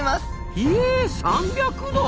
ひえ３００度！？